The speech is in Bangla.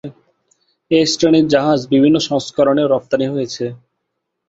এই শ্রেণীর জাহাজ বিভিন্ন সংস্করণে রপ্তানি হয়েছে।